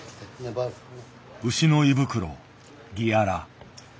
牛の胃袋ギアラ。